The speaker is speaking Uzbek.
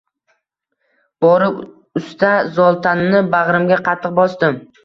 borib usta Zoltanni bagʻrimga qattiq bosdim.